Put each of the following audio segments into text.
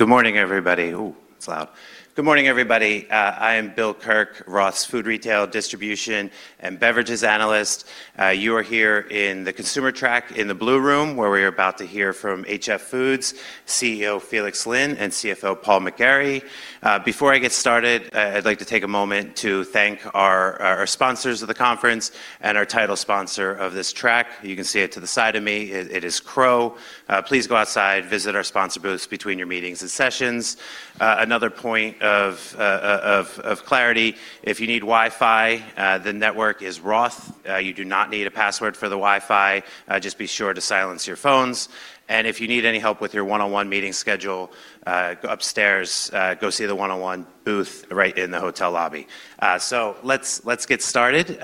Good morning, everybody. It's loud. Good morning, everybody. I am Bill Kirk, Roth's food, retail, distribution, and beverages analyst. You are here in the consumer track in the blue room, where we're about to hear from HF Foods CEO Felix Lin and CFO Paul McGarry. Before I get started, I'd like to take a moment to thank our sponsors of the conference and our title sponsor of this track. You can see it to the side of me. It is Crowe. Please go outside, visit our sponsor booths between your meetings and sessions. Another point of clarity, if you need Wi-Fi, the network is Roth. You do not need a password for the Wi-Fi. Just be sure to silence your phones. If you need any help with your one-on-one meeting schedule, go upstairs, go see the one-on-one booth right in the hotel lobby. Let's get started.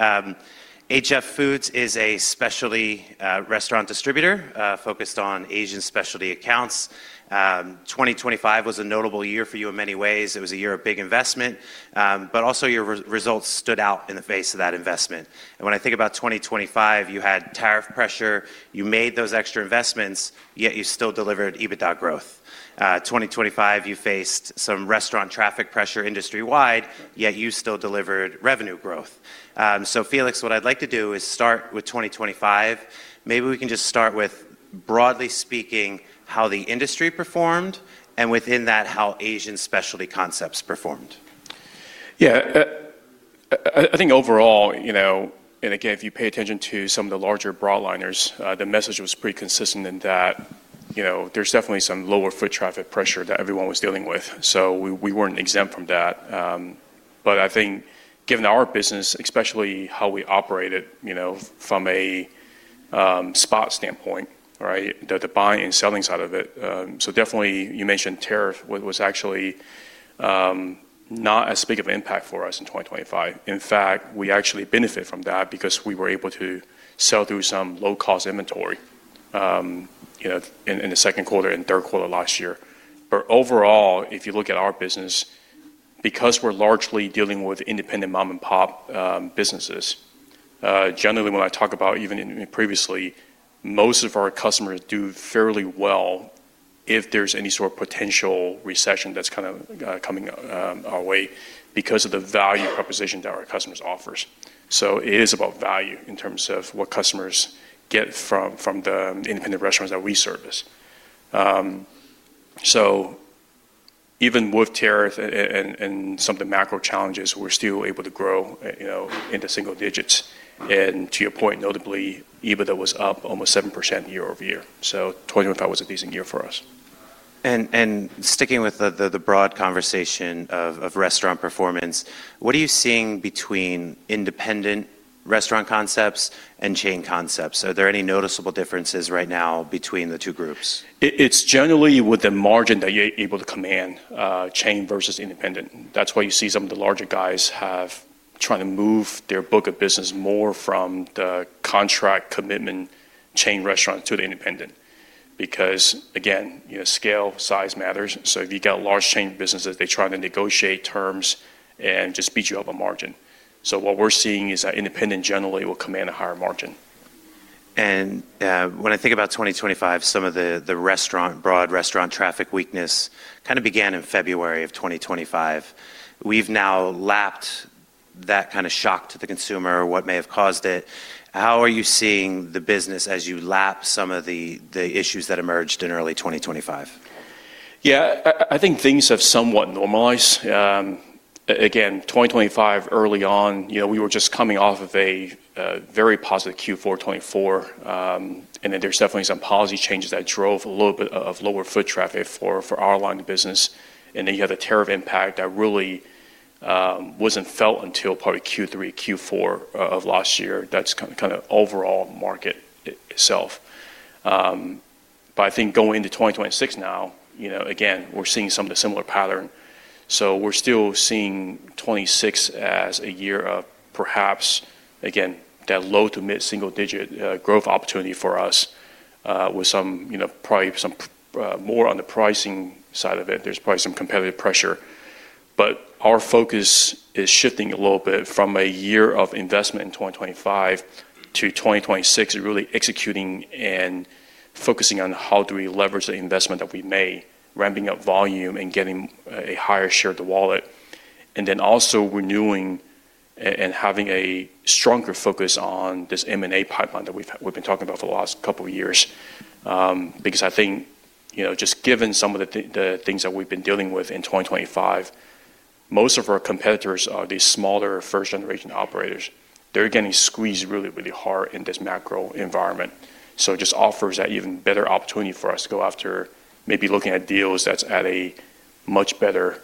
HF Foods is a specialty restaurant distributor focused on Asian specialty accounts. 2025 was a notable year for you in many ways. It was a year of big investment, but also your results stood out in the face of that investment. When I think about 2025, you had tariff pressure, you made those extra investments, yet you still delivered EBITDA growth. 2025, you faced some restaurant traffic pressure industry-wide, yet you still delivered revenue growth. Felix, what I'd like to do is start with 2025. Maybe we can just start with, broadly speaking, how the industry performed, and within that, how Asian specialty concepts performed. Yeah. I think overall, you know, and again, if you pay attention to some of the larger broadliners, the message was pretty consistent in that, you know, there's definitely some lower foot traffic pressure that everyone was dealing with. We weren't exempt from that. But I think given our business, especially how we operate it, you know, from a spot standpoint, right, the buying and selling side of it. Definitely, you mentioned tariff was actually not as big of an impact for us in 2025. In fact, we actually benefit from that because we were able to sell through some low-cost inventory, you know, in the second quarter and third quarter last year. Overall, if you look at our business, because we're largely dealing with independent mom-and-pop businesses, generally when I talk about even in previously, most of our customers do fairly well if there's any sort of potential recession that's kind of coming our way because of the value proposition that our customers offers. It is about value in terms of what customers get from the independent restaurants that we service. Even with tariff and some of the macro challenges, we're still able to grow, you know, into single digits. To your point, notably, EBITDA was up almost 7% year-over-year. 2025 was a decent year for us. Sticking with the broad conversation of restaurant performance, what are you seeing between independent restaurant concepts and chain concepts? Are there any noticeable differences right now between the two groups? It's generally with the margin that you're able to command, chain versus independent. That's why you see some of the larger guys are trying to move their book of business more from the contract commitment chain restaurant to the independent. Again, you know, scale, size matters. If you've got large chain businesses, they try to negotiate terms and just beat you up on margin. What we're seeing is that independent generally will command a higher margin. When I think about 2025, some of the broad restaurant traffic weakness kind of began in February of 2025. We've now lapped that kind of shock to the consumer, what may have caused it. How are you seeing the business as you lap some of the issues that emerged in early 2025? Yeah. I think things have somewhat normalized. Again, 2025, early on, you know, we were just coming off of a very positive Q4 2024. There's definitely some policy changes that drove a little bit of lower foot traffic for our line of business. You have the tariff impact that really wasn't felt until probably Q3, Q4 of last year. That's kind of overall market itself. I think going into 2026 now, you know, again, we're seeing some of the similar pattern. We're still seeing 2026 as a year of perhaps, again, that low- to mid-single-digit % growth opportunity for us with some, you know, probably some more on the pricing side of it. There's probably some competitive pressure. Our focus is shifting a little bit from a year of investment in 2025-2026, really executing and focusing on how do we leverage the investment that we made, ramping up volume and getting a higher share of the wallet. Renewing and having a stronger focus on this M&A pipeline that we've been talking about for the last couple of years. Because I think, you know, just given some of the things that we've been dealing with in 2025, most of our competitors are these smaller first-generation operators. They're getting squeezed really, really hard in this macro environment. It just offers that even better opportunity for us to go after maybe looking at deals that's at a much better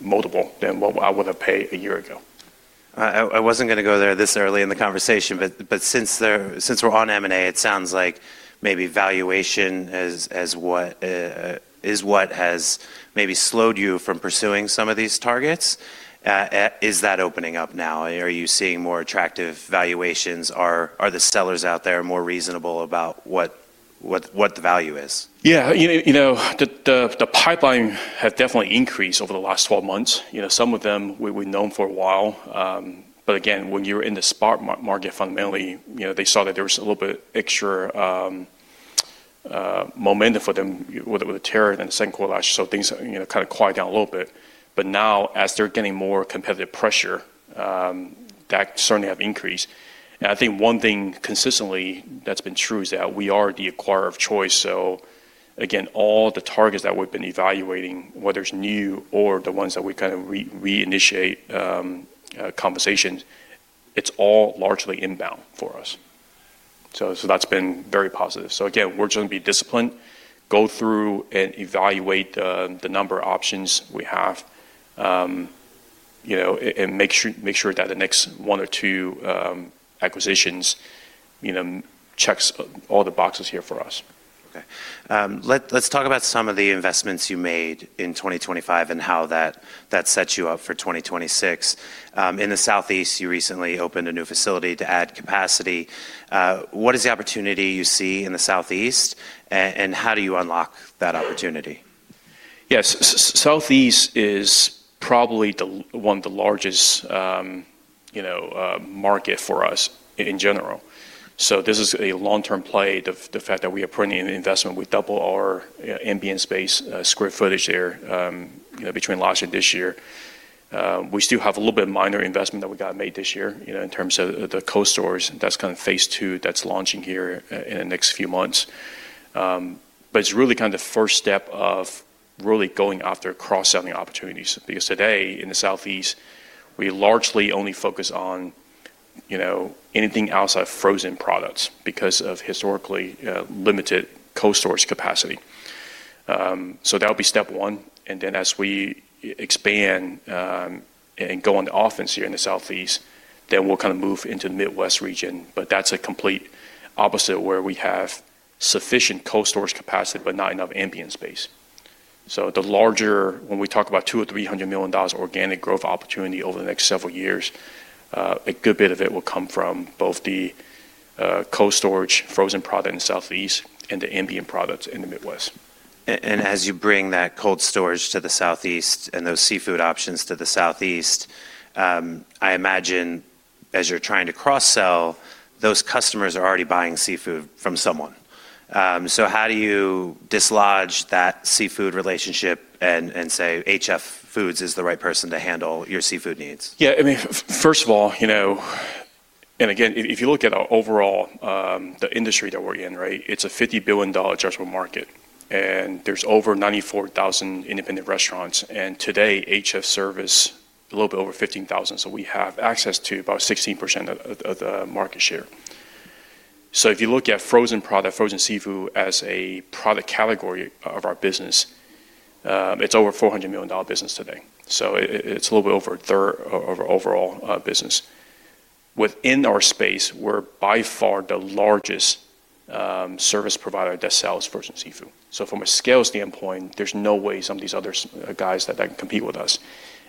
multiple than what I would have paid a year ago. I wasn't gonna go there this early in the conversation, but since we're on M&A, it sounds like maybe valuation is what has maybe slowed you from pursuing some of these targets. Is that opening up now? Are you seeing more attractive valuations? Are the sellers out there more reasonable about what the value is? Yeah. You know, the pipeline had definitely increased over the last 12 months. You know, some of them we've known for a while. But again, when you're in the spot market, fundamentally, you know, they saw that there was a little bit extra momentum for them with the tariff and then second quarter last year, so things are, you know, kinda quiet down a little bit. But now as they're getting more competitive pressure, that certainly have increased. I think one thing consistently that's been true is that we are the acquirer of choice. Again, all the targets that we've been evaluating, whether it's new or the ones that we kinda reinitiate conversations, it's all largely inbound for us. That's been very positive. Again, we're just gonna be disciplined, go through and evaluate the number of options we have, you know, and make sure that the next one or two acquisitions, you know, checks all the boxes here for us. Okay. Let's talk about some of the investments you made in 2025 and how that sets you up for 2026. In the Southeast, you recently opened a new facility to add capacity. What is the opportunity you see in the Southeast, and how do you unlock that opportunity? Yes. Southeast is probably one of the largest, you know, market for us in general. This is a long-term play, the fact that we are putting in investment. We double our ambient space square footage there, you know, between last year and this year. We still have a little bit minor investment that we got to make this year, you know, in terms of the cold storage. That's kind of phase two that's launching here in the next few months. It's really kind of the first step of really going after cross-selling opportunities. Because today in the Southeast, we largely only focus on, you know, anything outside frozen products because of historically limited cold storage capacity. That'll be step one, and then as we expand and go on the offense here in the Southeast, then we'll kinda move into the Midwest region. That's a complete opposite where we have sufficient cold storage capacity, but not enough ambient space. When we talk about $200 million-$300 million organic growth opportunity over the next several years, a good bit of it will come from both the cold storage frozen product in the Southeast and the ambient products in the Midwest. As you bring that cold storage to the Southeast and those seafood options to the Southeast, I imagine as you're trying to cross-sell, those customers are already buying seafood from someone. How do you dislodge that seafood relationship and say HF Foods is the right person to handle your seafood needs? Yeah. I mean, first of all, you know, again, if you look at our overall, the industry that we're in, right? It's a $50 billion addressable market, and there's over 94,000 independent restaurants. Today, HF serves a little bit over 15,000. We have access to about 16% of the market share. If you look at frozen product, frozen seafood as a product category of our business, it's over a $400 million business today. It's a little bit over 1/3 of our overall business. Within our space, we're by far the largest service provider that sells frozen seafood. From a scale standpoint, there's no way some of these other guys that they can compete with us.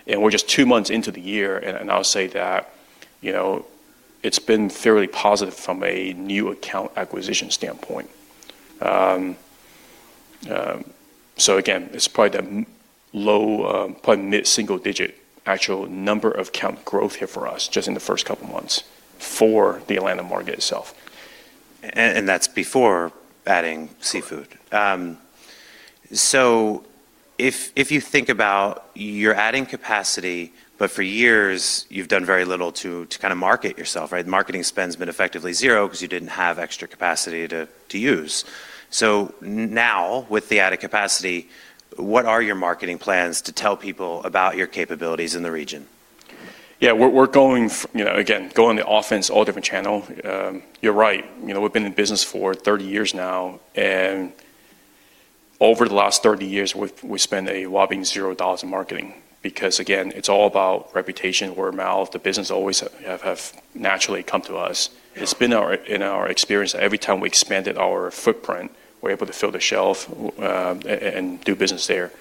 We're just two months into the year, and I'll say that, you know, it's been fairly positive from a new account acquisition standpoint. Again, it's probably mid-single digit actual number of account growth here for us just in the first couple of months for the Atlanta market itself. That's before adding seafood. Correct. If you think about you're adding capacity, but for years you've done very little to kinda market yourself, right? The marketing spend's been effectively zero 'cause you didn't have extra capacity to use. Now with the added capacity, what are your marketing plans to tell people about your capabilities in the region? Yeah. We're going you know, again, going on offense all different channels. You're right. You know, we've been in business for 30 years now, and over the last 30 years, we've spent a whopping $0 in marketing. Because again, it's all about reputation, word of mouth. The business always has naturally come to us. It's been in our experience, every time we expanded our footprint, we're able to fill the shelf and do business there.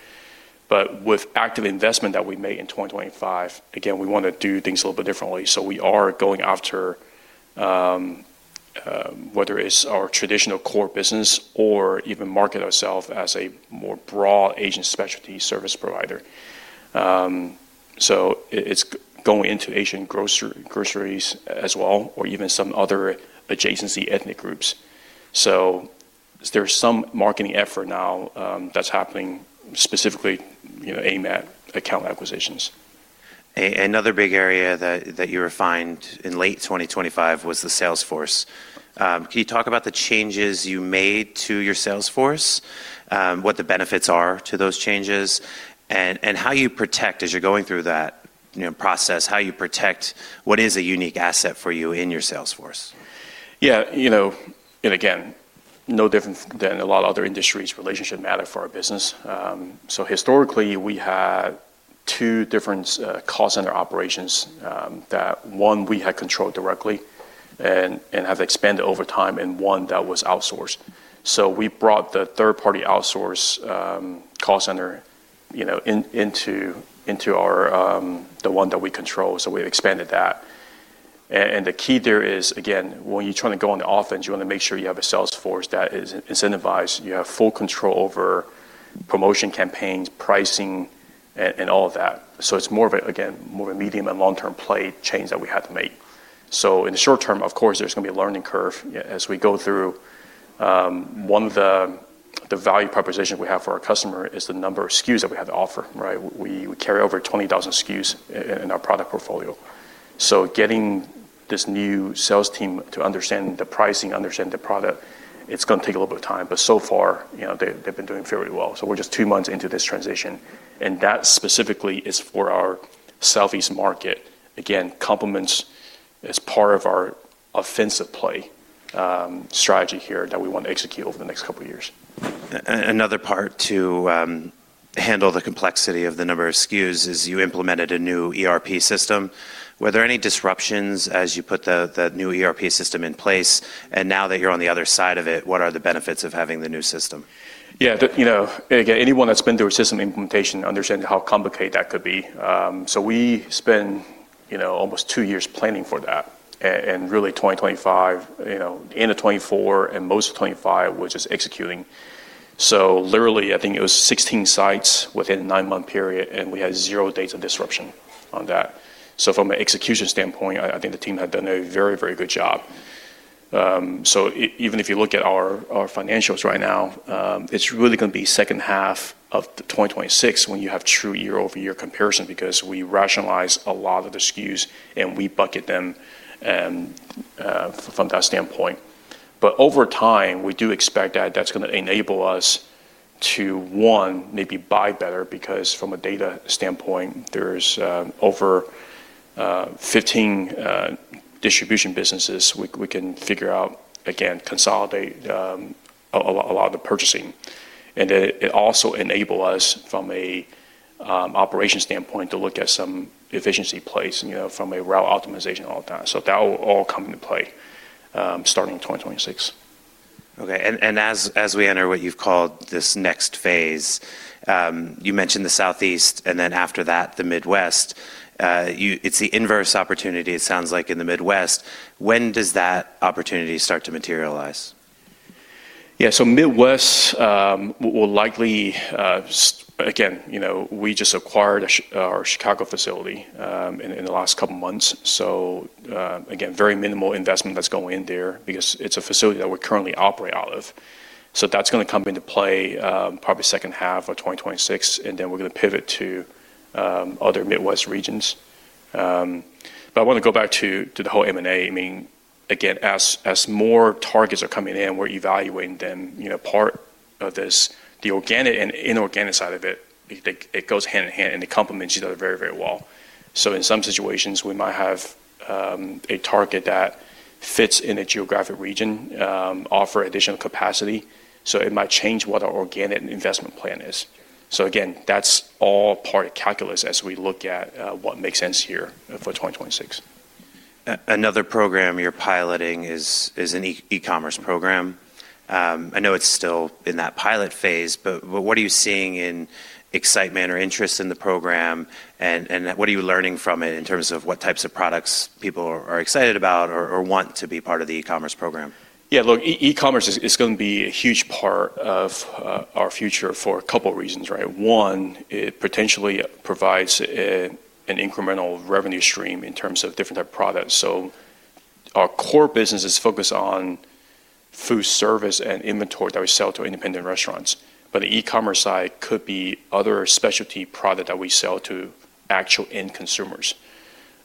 With active investment that we made in 2025, again, we wanna do things a little bit differently. We are going after whether it's our traditional core business or even market ourselves as a more broad Asian specialty service provider. It's going into Asian groceries as well or even some other adjacent ethnic groups. There's some marketing effort now, that's happening specifically, you know, aimed at account acquisitions. Another big area that you refined in late 2025 was the sales force. Can you talk about the changes you made to your sales force, what the benefits are to those changes, and how you protect as you're going through that, you know, process, how you protect what is a unique asset for you in your sales force? Yeah. You know, again, no different than a lot of other industries, relationships matter for our business. Historically we had two different call center operations that one we had controlled directly and have expanded over time, and one that was outsourced. We brought the third-party outsourced call center, you know, into our the one that we control. We've expanded that. The key there is, again, when you're trying to go on the offense, you wanna make sure you have a sales force that is incentivized. You have full control over promotion campaigns, pricing. And all of that. It's more of a, again, more of a medium and long-term play change that we have to make. In the short term, of course, there's gonna be a learning curve as we go through. One of the value propositions we have for our customer is the number of SKUs that we have to offer, right? We carry over 20,000 SKUs in our product portfolio. Getting this new sales team to understand the pricing, understand the product, it's gonna take a little bit of time. But so far, you know, they've been doing very well. We're just two months into this transition, and that specifically is for our Southeast market. Again, complements as part of our offensive play, strategy here that we want to execute over the next couple of years. Another part to handle the complexity of the number of SKUs is you implemented a new ERP system. Were there any disruptions as you put the new ERP system in place? Now that you're on the other side of it, what are the benefits of having the new system? Yeah. You know, again, anyone that's been through a system implementation understands how complicated that could be. We spent, you know, almost two years planning for that. Really 2025, you know, end of 2024 and most of 2025 was just executing. Literally, I think it was 16 sites within a nine-month period, and we had zero days of disruption on that. From an execution standpoint, I think the team had done a very, very good job. Even if you look at our financials right now, it's really gonna be second half of 2026 when you have true year-over-year comparison because we rationalize a lot of the SKUs and we bucket them from that standpoint. Over time, we do expect that that's gonna enable us to, one, maybe buy better because from a data standpoint there's over 15 distribution businesses we can figure out, again, consolidate a lot of the purchasing. Then it also enable us from a operations standpoint to look at some efficiency plays, you know, from a route optimization all the time. That will all come into play starting in 2026. Okay. As we enter what you've called this next phase, you mentioned the Southeast, and then after that, the Midwest. It's the inverse opportunity, it sounds like, in the Midwest. When does that opportunity start to materialize? Yeah. Midwest will likely. Again, you know, we just acquired our Chicago facility in the last couple of months. Again, very minimal investment that's going in there because it's a facility that we currently operate out of. That's gonna come into play probably second half of 2026, and then we're gonna pivot to other Midwest regions. I wanna go back to the whole M&A. I mean, again, as more targets are coming in, we're evaluating them. You know, part of this, the organic and inorganic side of it goes hand in hand, and it complements each other very, very well. In some situations, we might have a target that fits in a geographic region, offer additional capacity. It might change what our organic investment plan is. Again, that's all part of calculus as we look at what makes sense here for 2026. Another program you're piloting is an e-commerce program. I know it's still in that pilot phase, but what are you seeing in excitement or interest in the program, and what are you learning from it in terms of what types of products people are excited about or want to be part of the e-commerce program? Yeah. Look, e-commerce is gonna be a huge part of our future for a couple of reasons, right? One, it potentially provides an incremental revenue stream in terms of different type of products. Our core business is focused on food service and inventory that we sell to independent restaurants. The e-commerce side could be other specialty product that we sell to actual end consumers.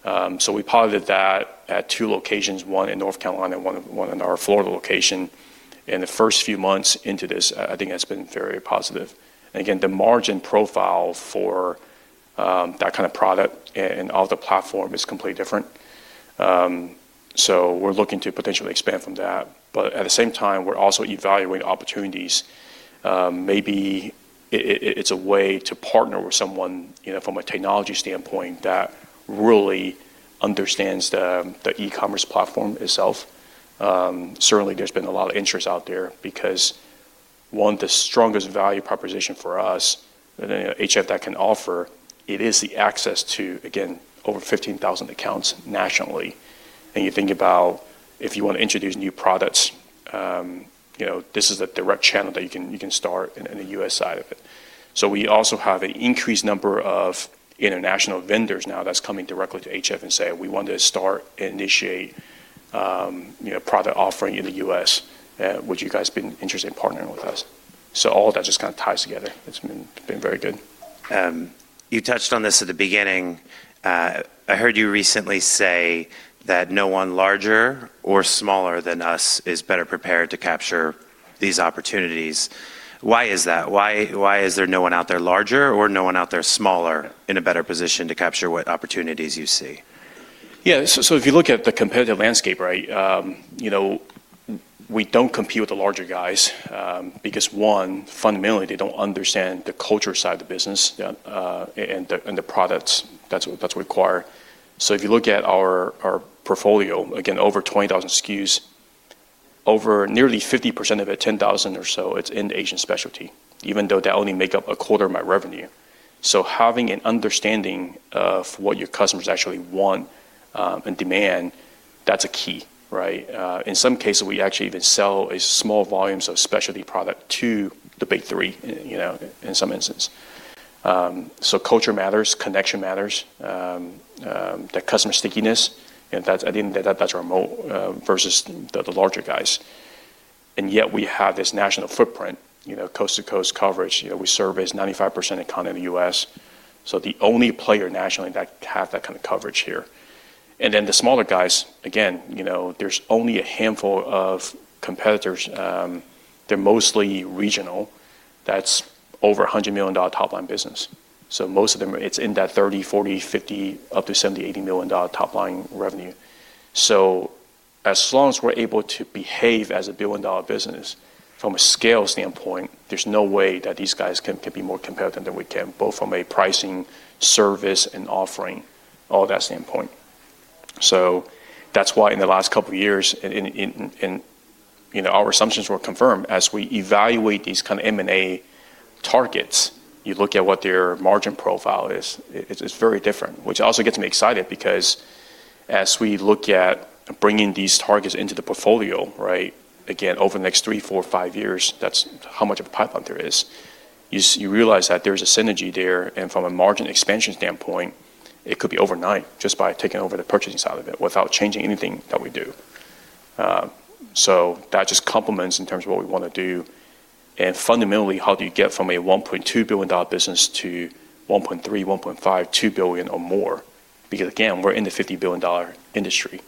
We piloted that at two locations, one in North Carolina and one in our Florida location. In the first few months into this, I think that's been very positive. Again, the margin profile for that kind of product and of the platform is completely different. We're looking to potentially expand from that. At the same time, we're also evaluating opportunities. Maybe it's a way to partner with someone, you know, from a technology standpoint that really understands the e-commerce platform itself. Certainly there's been a lot of interest out there because, one, the strongest value proposition for us, that HF that can offer, it is the access to, again, over 15,000 accounts nationally. You think about if you want to introduce new products, you know, this is the direct channel that you can start in the U.S. side of it. We also have an increased number of international vendors now that's coming directly to HF and say, "We want to start and initiate, you know, product offering in the U.S. Would you guys be interested in partnering with us?" All of that just kind of ties together. It's been very good. You touched on this at the beginning. I heard you recently say that no one larger or smaller than us is better prepared to capture these opportunities. Why is that? Why is there no one out there larger or no one out there smaller in a better position to capture what opportunities you see? Yeah. If you look at the competitive landscape, right, you know, we don't compete with the larger guys, because one, fundamentally, they don't understand the culture side of the business, yeah, and the products that's required. If you look at our portfolio, again, over 20,000 SKUs, over nearly 50% of it, 10,000 or so, it's in Asian specialty, even though they only make up 25% of my revenue. Having an understanding of what your customers actually want and demand. That's a key, right? In some cases, we actually even sell small volumes of specialty product to the big three, you know, in some instances. Culture matters, connection matters, the customer stickiness. That's our moat versus the larger guys. Yet we have this national footprint, you know, coast-to-coast coverage. You know, we service 95% economy in the U.S. The only player nationally that have that kind of coverage here. Then the smaller guys, again, you know, there's only a handful of competitors, they're mostly regional. That's over $100 million top-line business. Most of them, it's in that $30 million, $40 million, $50 million, up to $70 million, $80 million top-line revenue. As long as we're able to behave as a billion-dollar business from a scale standpoint, there's no way that these guys can be more competitive than we can, both from a pricing, service, and offering, all that standpoint. That's why in the last couple of years, and, you know, our assumptions were confirmed as we evaluate these kind of M&A targets. You look at what their margin profile is. It's very different, which also gets me excited because as we look at bringing these targets into the portfolio, right, again, over the next three, four, five years, that's how much of a pipeline there is. You realize that there's a synergy there, and from a margin expansion standpoint, it could be overnight just by taking over the purchasing side of it without changing anything that we do. So that just complements in terms of what we wanna do. Fundamentally, how do you get from a $1.2 billion business to $1.3 billion, $1.5 billion, $2 billion or more? Because again, we're in the $50 billion industry.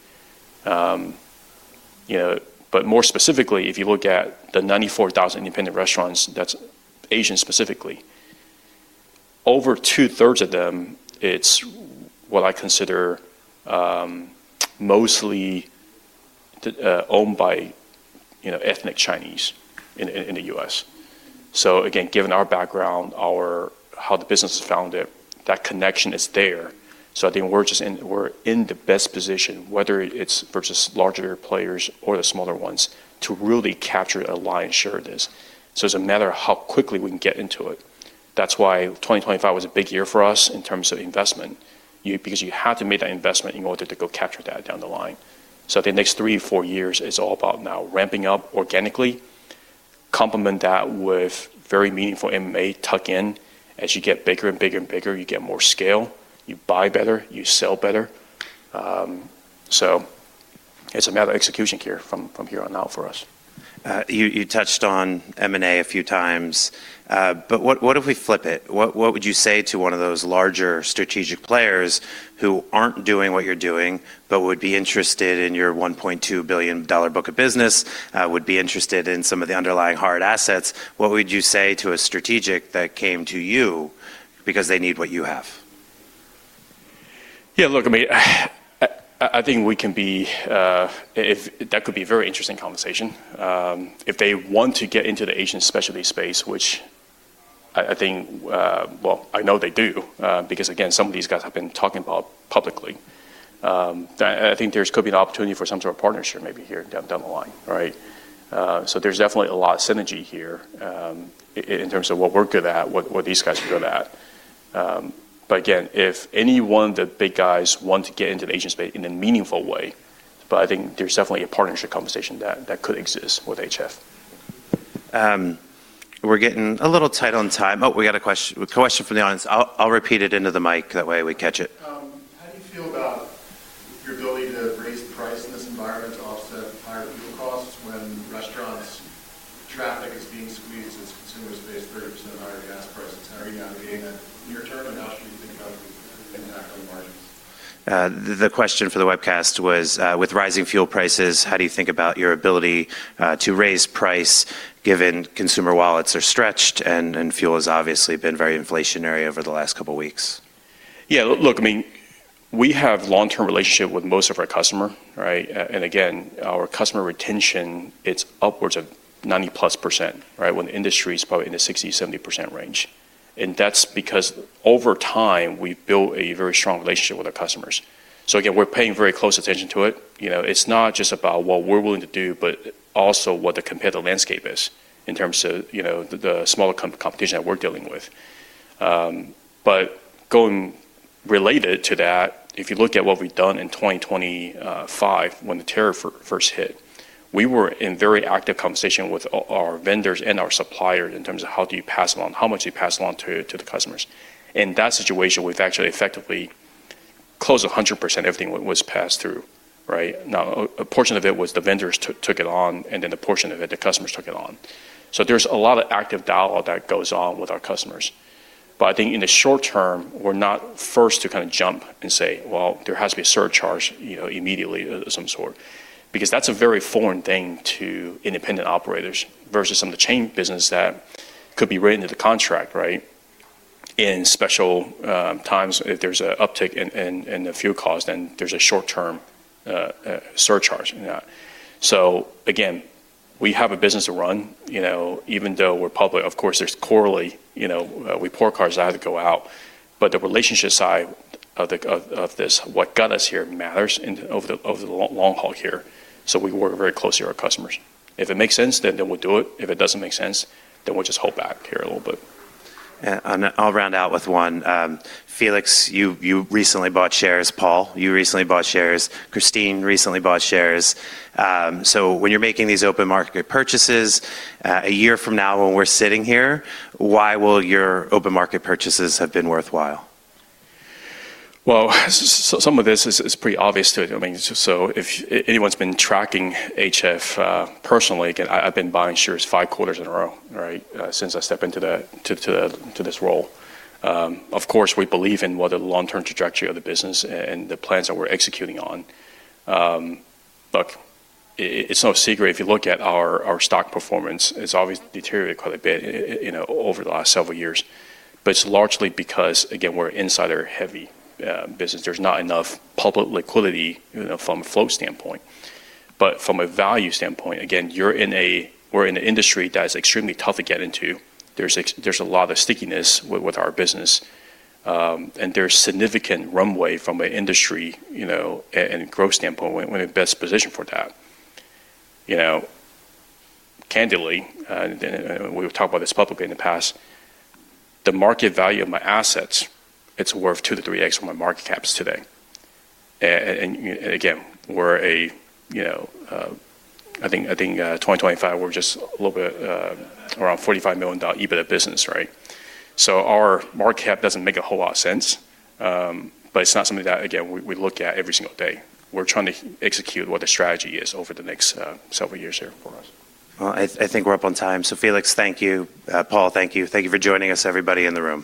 You know, but more specifically, if you look at the 94,000 independent restaurants, that's Asian specifically. Over 2/3 of them, it's what I consider, mostly owned by, you know, ethnic Chinese in the U.S. Again, given our background, how the business was founded, that connection is there. I think we're just in the best position, whether it's versus larger players or the smaller ones, to really capture a lion's share of this. It's a matter of how quickly we can get into it. That's why 2025 was a big year for us in terms of investment. Because you have to make that investment in order to go capture that down the line. The next three to four years is all about now ramping up organically, complement that with very meaningful M&A tuck in. As you get bigger and bigger and bigger, you get more scale, you buy better, you sell better. It's a matter of execution here from here on out for us. You touched on M&A a few times. What if we flip it? What would you say to one of those larger strategic players who aren't doing what you're doing, but would be interested in your $1.2 billion book of business, would be interested in some of the underlying hard assets? What would you say to a strategic that came to you because they need what you have? Yeah, look, I mean, I think we can be. That could be a very interesting conversation. If they want to get into the Asian specialty space, which I think, well, I know they do, because again, some of these guys have been talking about publicly. I think there could be an opportunity for some sort of partnership maybe here down the line, right? There's definitely a lot of synergy here, in terms of what we're good at, what these guys are good at. Again, if any one of the big guys want to get into the Asian space in a meaningful way, I think there's definitely a partnership conversation that could exist with HF. We're getting a little tight on time. Oh, we got a question from the audience. I'll repeat it into the mic. That way we catch it. How do you feel about your ability to raise price in this environment to offset higher fuel costs when restaurant traffic is being squeezed as consumers face 30% higher gas prices? How are you navigating that near-term? How should we think about the impact on margins? The question for the webcast was, with rising fuel prices, how do you think about your ability to raise price given consumer wallets are stretched and fuel has obviously been very inflationary over the last couple weeks? Yeah, look, I mean, we have long-term relationship with most of our customer, right? Again, our customer retention, it's upwards of 90%+, right? When the industry is probably in the 60%-70% range. That's because over time, we've built a very strong relationship with our customers. Again, we're paying very close attention to it. You know, it's not just about what we're willing to do, but also what the competitive landscape is in terms of, you know, the smaller competition that we're dealing with. Going related to that, if you look at what we've done in 2025 when the tariff first hit, we were in very active conversation with our vendors and our suppliers in terms of how do you pass along, how much do you pass along to the customers. In that situation, we've actually effectively close to 100% everything was passed through, right? Now, a portion of it was the vendors took it on, and then the portion of it, the customers took it on. There's a lot of active dialogue that goes on with our customers. I think in the short term, we're not first to kinda jump and say, "Well, there has to be a surcharge, you know, immediately of some sort." Because that's a very foreign thing to independent operators versus some of the chain business that could be written into contract, right? In special times, if there's an uptick in the fuel cost, then there's a short-term surcharge in that. Again, we have a business to run, you know, even though we're public. Of course, there's quarterly, you know, report cards that have to go out. The relationship side of this, what got us here matters over the long haul here. We work very closely with our customers. If it makes sense, then we'll do it. If it doesn't make sense, then we'll just hold back here a little bit. Yeah. I'll round out with one. Felix, you recently bought shares. Paul, you recently bought shares. Christine recently bought shares. When you're making these open market purchases, a year from now when we're sitting here, why will your open market purchases have been worthwhile? Well, some of this is pretty obvious to it. I mean, if anyone's been tracking HF personally, again, I've been buying shares five quarters in a row, right, since I stepped into this role. Of course, we believe in what the long-term trajectory of the business and the plans that we're executing on. Look, it's no secret if you look at our stock performance. It's obviously deteriorated quite a bit, you know, over the last several years. It's largely because, again, we're insider-heavy business. There's not enough public liquidity, you know, from a flow standpoint. From a value standpoint, again, we're in an industry that is extremely tough to get into. There's a lot of stickiness with our business. There's significant runway from an industry, you know, growth standpoint. We're in the best position for that. You know, candidly, we've talked about this publicly in the past, the market value of my assets, it's worth 2x-3x my market caps today. Again, we're a, you know, I think, 2025, we're just a little bit around $45 million EBITDA business, right? So our market cap doesn't make a whole lot of sense. It's not something that, again, we look at every single day. We're trying to execute what the strategy is over the next several years here for us. Well, I think we're up on time. Felix, thank you. Paul, thank you. Thank you for joining us, everybody in the room.